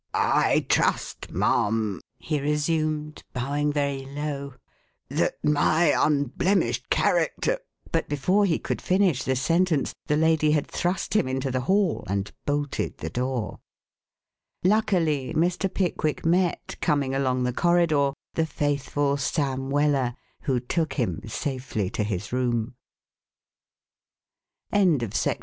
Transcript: "I trust, ma'am," he resumed, bowing very low, "that my unblemished character " but before he could finish the sentence the lady had thrust him into the hall and bolted the door. Luckily Mr. Pickwick met, coming along the corridor, the faithful Sam Weller who took him safely to his room. V THE PICKWICKIANS FIND THEMSELVES IN THE GRASP OF THE LAW.